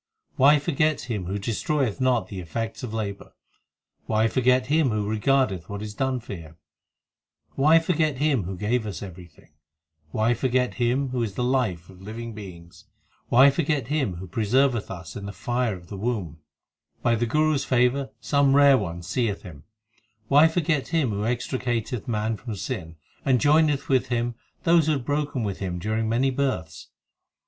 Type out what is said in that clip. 4 Why forget Him who destroyeth not the effects of labour ? Why forget Him who regardeth what is done for Him ? Why forget Him who gave us everything ? Why forget Him who is the life of living beings ? Why forget Him who preserveth us in the fire of the womb ? By the Guru s favour some rare one seeth Him Why forget Him who extricateth man from sin, And joineth with Him those who had broken with Him during many births